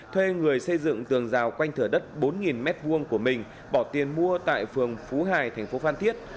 thuê người xây dựng tường rào quanh thửa đất bốn m hai của mình bỏ tiền mua tại phường phú hải thành phố phan thiết